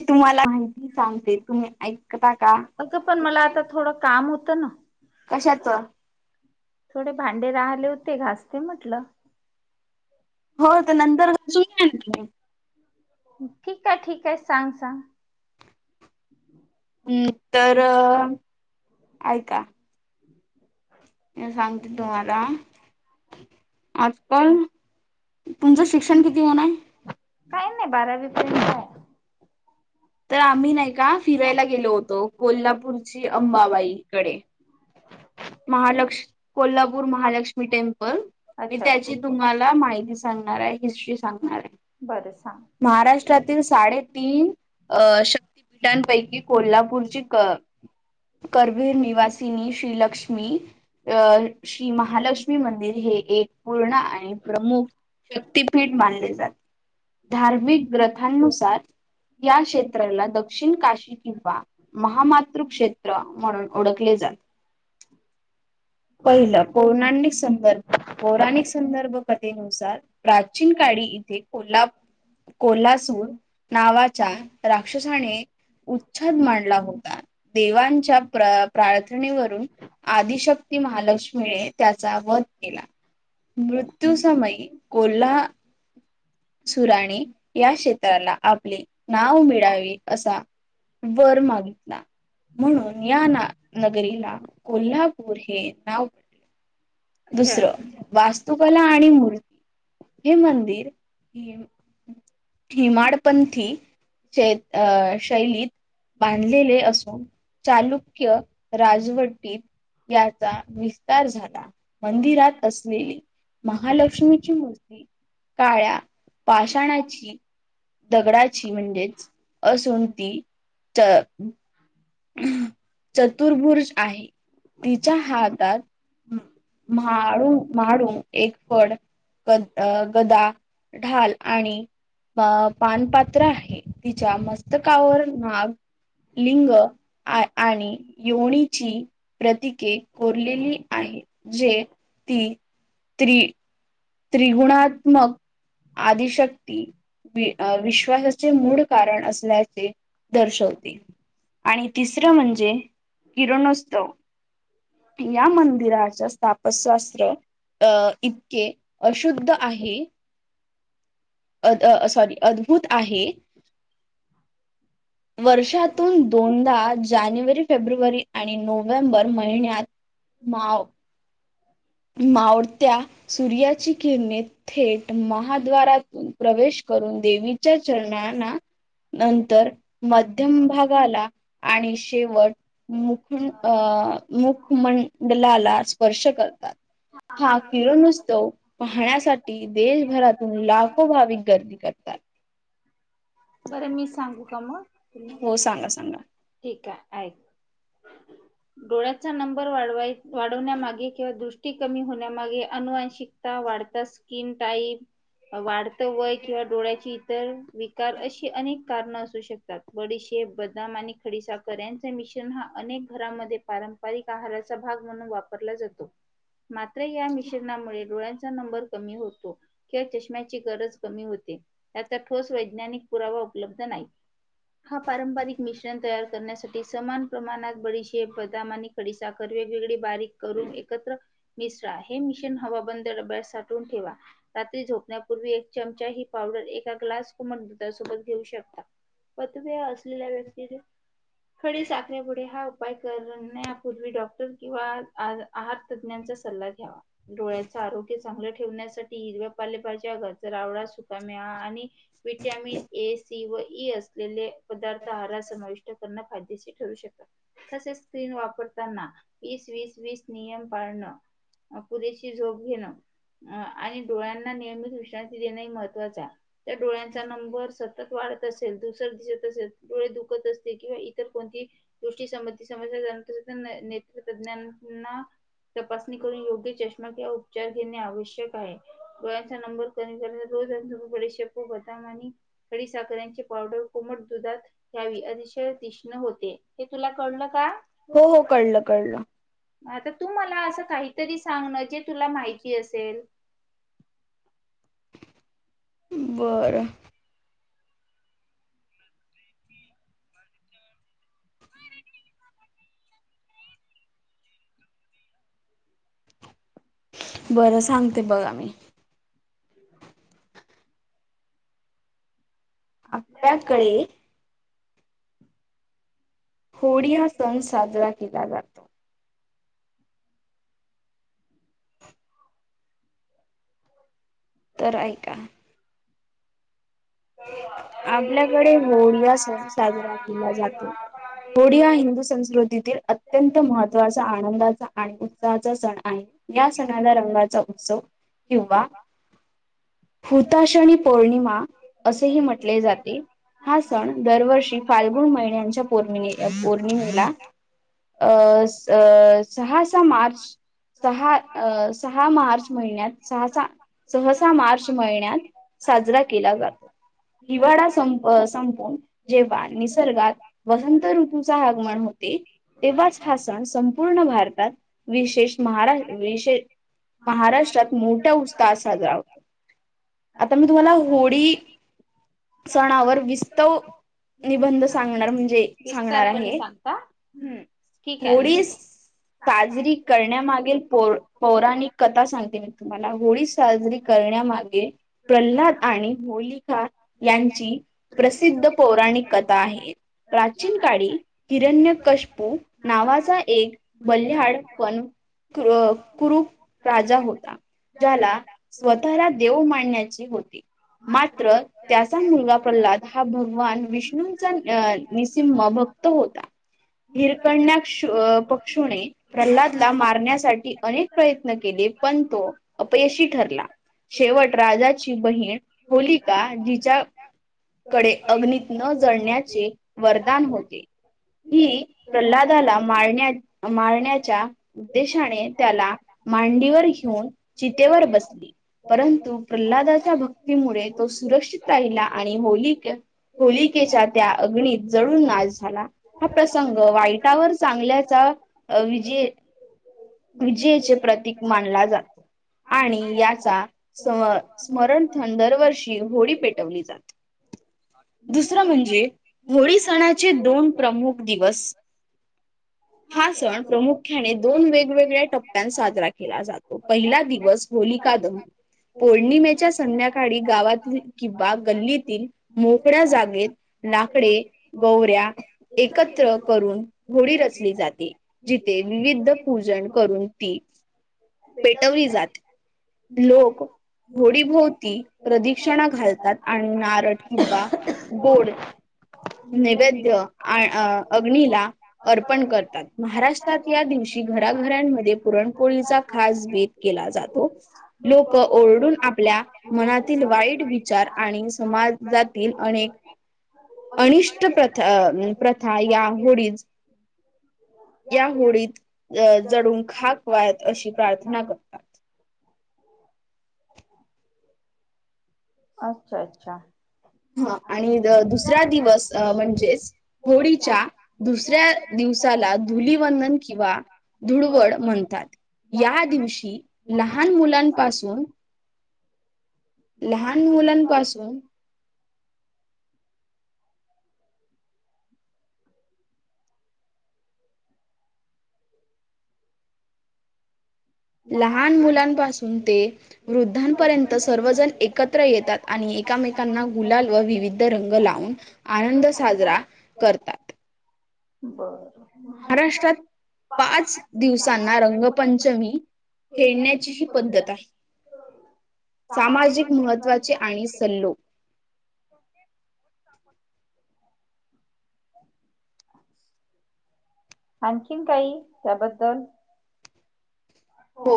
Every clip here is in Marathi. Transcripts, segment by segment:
मी तुम्हाला माहिती सांगते तुम्ही ऐकता का? अगं पण मला आता थोडं काम होतं ना. कशाचं? थोडे भांडे राहिले होते घासते म्हटलं. हो ते तर नंतर घासून घ्या ना तुम्ही. ठीक आहे ठीक आहे सांग सांग. [inaudible] हम्म तर आज मी सांगते तुम्हाला आजपण तुमचं शिक्षण किती होणय? काही नाही बारावी पर्यंत आहे. तर आम्ही नाही का फिरायला गेलो होतो कोल्हापूरची अंबाबाईकडे. [unintelligible] महालक्ष् कोल्हापूर महालक्ष्मी टेम्पल मी अच्छा त्याची तुम्हाला माहिती सांगणार आहे हिस्ट्री सांगणार आहे. बरं सांग महाराष्ट्रातील साडेतीन अ शक्तीपिठांपैकी कोल्हापूरची क करवीर निवासीनी श्रीलक्ष् मी अ श्री महालक्ष्मी मंदिर हे एक पूर्ण आणि प्रमुख शक्तीपीठ मानले जाते धार्मिक ग्रथांनुसार या क्षेत्राला दक्षिण काशी किंवा महामातृक्षेत्रा म्हणून ओळखले जातात. [inaudible] पहिलं पौर्णोणिक संदभ पौराणिक संदर्भ कथेनुसार प्राचीन काळी इथे कोल्हा कोल्हासूर नावाच्या राक्षसाने उच्छाद मांडला होता देवांच्या प्र प्रार्थनेवरून आदिशक्ती महालक्ष्मीने त्याचा वध केला. मृत्यूसमयी कोल्हा सुराने या क्षेत्राला आपले नाव मिळावे असा वर मागितला म्हणून या ना नगरीला कोल्हापूर हे नाव अच्छा दुसरं हं. वास्तुकला आणि मूर हे मंदिर हिम्म हिम्म हेमाडपंथीचे अ शैलीत बांधलेले असून चालुक्य राजवट टीत याचा विस्तार झाला मंदिरात असलेली महालक्ष्मीची मूर्ती काळ्या पाषाणाची दगडाची म्हणजेच असून तीच [inaudible] अम्म चतुर्भुज आहे तिच्या हातात म्हाळू म्हाडू एक फड ग अ गदा ढाल आणि आ पानपात्र आहे तिच्या मस्तकावर नाग लिंग आ आणि योनीची प्रतिके कोरलेली आहे. जे ती त्री त्रिगुणात्मक आदिशक्ती विअ विश्वासाचे मूड कारण असल्याचे दर्शवते. आणि तिसरं म्हणजे किरणोत्सव. तिया मंदिराच्या स्थापशास्त्र अ इतके अशुद्ध आहे अ द अ सॉरी अद्भुत आहे. वर्षातून दोनदा जानेवारी, फेब्रुवारी आणि नोव्हेंबर महिन्यात [inaudible] माव मावळत्या सूर्याची किरणेत थेट महाद्वारातून प्रवेश करून देवीच्या चरणांना नंतर मध्यम भागाला आणि शेवट मू मु अअ मुखमंडलाला स्पर्श करतात. हा किरणोत्सव पाहण्यासाठी देशभरातून लाखो भाविक गर्दी करतात. बरं मी सांगू का मग तुला हो सांगा सांगा ठिक आहे ऐक. [inaudible] डोळ्याचा नंबर वाढवाय वाढवण्यामागे किंवा दृष्टी कमी होण्यामागे अनुवांशिक आता वाढता स्किन टाईम वाढत वय किंवा डोळ्याची इतर वि तर अशी अनेक कारनं असू शकतात बडीशेप बदाम आणि खडी साखर एन चमिशन हा अनेक घरांमध्ये पारंपरिक आहाराचा भाग म्हणून वापरला जातो. [unintelligible] मात्र या मिश्रणामुळे डोळ्यांचं चा नंबर कमी होतो किंवा चष्म्याची गरज कमी होते या त्या ठोस वे ज्ञानिक पुरावा उपलब्ध नाही हा पारंपरिक मिश्रण तयार करण्यासाठी समान प्रमाणात बडीशेप, बदाम आणि खडीसाखर वेगवेगळी बारीक करून एकत्र मिश्र हे मिशण हवाबंद डब्यात साठवून ठेवा. रात्री झोपण्यापूर्वी एक चमचा ही पावडर एका ग्लास कोमट दूधासोबत घेऊ शकता प तु मे असलेल्या व्यक्तीने हळी साखरेपुडे हा उपाय करण्यापूर्वी डॉक्टर किंवा आ आहार तज्ञांचा सल्ला घ्यावा डोळ्याच आरोग्य चांगलं ठेवण्यासाठी हिरव्या पालेपालच्या घरचा रावडा सुका मेवा आणि विटॅमिन ए सी व ई असलेले पदार्थ आहार समाविष्ट करण फायदेशी ठरू शकता तसेच स्क्रीन वापरताना वीस वीस वीस नियम पाळणं अ पुरेशी झोप घेणं अ आणि डोळ्यांना नियमित विश्रांती देणेही महत्वाचं आहे त्या डोळ्यां चा नंबर सतत वाढत असेल दुसर दिसत असेल डोळे दुखत असते किंवा इतर कोणती दृष्टी संबंधी समस्या [unintelligible] नेत्र तज्ञांना तपासणी करून योग्य चष्मा किंवा अप चार घेणे आवश्यक आहे डोळ्यांचा नंबर कमी कर. [unintelligible] बदाम आणि खडी साखर्यांचे पावडर कोमट दुधात घ्यावी अतिशय तीक्ष्ण होते हे तुला कळलं का? हो हो कळलं कळलं आता तू मला असं काहीतरी सांगण जे तुला माहिती असेल. बरं. [unintelligible] बरं सांगते बघा मी. ह आपल्याकडे होळी हा सण साजरा केला जातो. तर ऐका आपल्याकडे होळीया सण साजरा केला जातो. होळी हा हिंदू संस्कृतीतील अत्यंत महत्त्वाचा आनंदाचा आणि उत्साहाचा सण आहे. या सणाला रंगाचा उत्सव किंवा हुताश आणि पौर्णिमा असेही म्हटले जाते. हा सण दरवर्षी फाल्गुन महिन्यांच्या पौर्णि पौर्णिमेला अस अ सहा सा मार्च सहा अ सहा मार्च महि न्यात सहासा सहसा मार्च महिन्यात साजरा केला जातो. हिवाळा सं संपून जेव्हा निसर्गात वसंत ऋतूचा आगमन होते तेव्हाच हा सण संपूर्ण भारतात विशेष महाडा विशेष विशे महाराष्ट्रात मोठ्या उत्साहात साजरा होतो आता मी तुम्हाला होळी सणावर विस्तव निबंध सांगणार म्हणजे सांगणार आहे सांगता ठीक होळीस साजरी करण्यामागेल पो पौराणिक कथा सांगते मी तुम्हाला होळी साजरी करण्यामागे प्रल्हाद आणि होली यांची प्रसिद्ध पौराणिक कथा आहे प्राचीन का कडे हिरण्य कशपू नावाचा एक बल्ल्याहाड पण क्र कुरुप राजा होता. ज्याला स्वतःरा देव मांडण्याची होती मात्र त्याचा मुलगा प्रल्हाद हा भगवान विष्णूंचा अ निसिंह भक्त होता. हिरकण्याक्ष पक्षुणे प्रल्हादला मारण्यासाठी अनेक प्रयत्न केले पण तो अपयशी ठरला. शेवट राजाची बहीण [inaudible] कडे अग्नीत न जळण्याचे वरदान होते. हि प्रल्हादाला मारण्या मारण्याच्या उद्देशाने त्याला मांडीवर घेऊन चितेवर बसली परंतु प्रल्हादाच्या भक्तीमुळे तो सुरक्षित राहिला आणि होलीका होलिकेच्या त्या अग्णीत जळून नाश झाला. हा प्रसंग वाईटावर चांगल्याचा अ विजय विजयेचे प्रतीक मानला जातो आणि या चा सम स्मरणथण दरवर्षी होळी पेटवली जात. दुसरं म्हणजे होळी सणाचे दोन प्रमुख दिवस हा सण प्रमुख्याने दोन वेग वेगवेगळ्या टप्प्या साजरा केला जातो पहिला दिवस होलीका दहन पौर्णिमेच्या संध्याकाळी गावातील किंवा गल्लीतील मोकळ्या जागेत लाकडे, गौऱ्या [unintelligible] एकत्र करून घोडी रचली जाते जिथे विविध पूजन करून ती पेटवली जाते यो. लोक [unintelligible] होडीभोवती प्रदक्षिणा घालतात आणि नारळ किंवा गोड नैवेद्य आ अग्नीला [unintelligible] अर्पण करतात महाराष्ट्रात या दिवशी घराघरांमध्ये पुरणपोळीचा खास बीेत केला जातो लोकं ओरडून आपल्या मनातील वाईट विचार आणि समाजातील अनेक अनिष्ट प्रथा प्रथा या होळीच या होळीत अ जडून खाक वयात अशी प्रार्थना कर अच्छा अच्छा. हा आणि द दुसरा दिवस अ म्हणजेच होळीच्या दुसऱ्या दिवसाला धुलीवंदन किंवा धुडवड म्हणतात या दिवशी लहान मुलांपासून लहान मुलांपासून लहान मुलांपासून ते वृद्धांपर्यंत सर्वजण एकत्र येतात आणि एमेकांना गुलाल व विविध रंग लावून आनंद साजरा करता. बरं महाराष्ट्रात पाच दिवसांना रंगपंचमी खेळण्याची पद्धत आहे. सामाजिक महत्त्वाचे आणि सल्लो [unintelligible] आणखीन काही त्याबद्दल हो.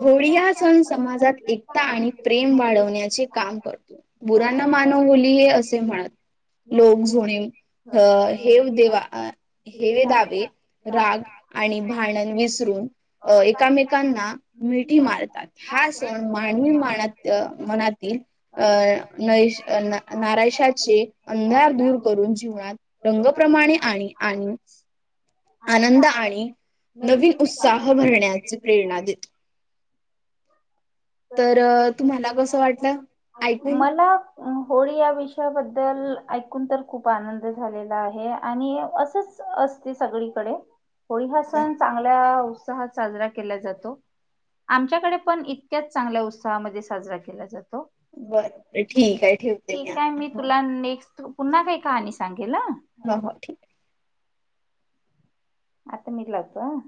होळी या सण समाजात एकता आणि प्रेम वाढवण्याचे काम कर बुरा न मानो होली हे असे म्हणत. लोक जुणी अ हेव देवा आ हेवे दाबे राग आणि भांडण विसरून अं एकमेकांना मिठी मारतात, हा सण मानवी माणत्य मनातील अ नइश अ न नारायशाचे अंधार दूर करून जीवनात रंगप्रमाणे आणि आणि आनंद आणि नवीन उत्साह भरण्याचे प्रेरणा देत. ह. तर तुम्हाला कसं वाटलं ऐकून? मला होळी या विषयाबद्दल ऐकून तर खूप आनंद झालेला आहे आणि असंच असते सगळीकडे होळी हा अच्छा, सण चांगल्या उत्साहात साजरा केला जातो. आमच्याकडे पण इतक्याच चांगल्या उत्साहामध्ये साजरा केला जातो. बरं बरं, आहे ठेवते ठीक आहे आता मी ह तुला नेक्स्ट पुन्हा काय आणि सांगेल हा. अह आता मीच लावतो आ